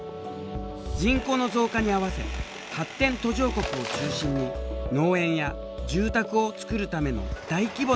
人口の増加に合わせ発展途上国を中心に農園や住宅を造るための大規模な開発が進行。